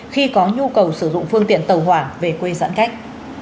khi có nhu cầu sử dụng phương tiện tàu hỏa về quê giãn cách